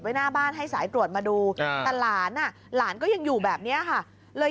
ไว้หน้าบ้านให้สายตรวจมาดูล้านล้านก็ยังอยู่แบบเนี้ยค่ะเลย